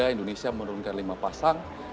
indonesia menurunkan lima pasang